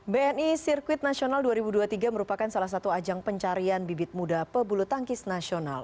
bni sirkuit nasional dua ribu dua puluh tiga merupakan salah satu ajang pencarian bibit muda pebulu tangkis nasional